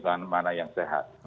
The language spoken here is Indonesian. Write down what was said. dan mana yang sehat